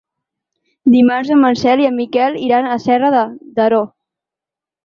Dimarts en Marcel i en Miquel iran a Serra de Daró.